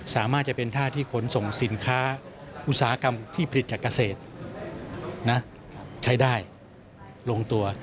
สามารถจะเป็นท่าที่ขนส่งสินค้าอุตสาหกรรมที่ผลิตจากเกษตรใช้ได้ลงตัว